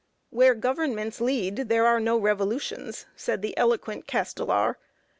"Where governments lead, there are no revolutions," said the eloquent Castelar.